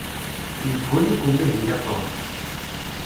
Yegguni-k umihi a Tom.